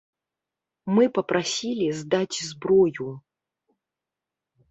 Мы папрасілі здаць зброю.